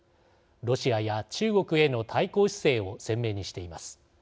ロシアや中国への対抗姿勢を鮮明にしています。